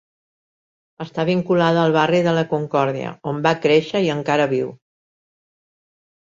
Està vinculada al barri de la Concòrdia, on va créixer i encara viu.